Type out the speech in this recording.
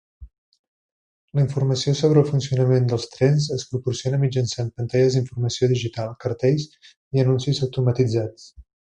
La informació sobre el funcionament dels trens es proporciona mitjançant pantalles d'informació digital, cartells i anuncis automatitzats.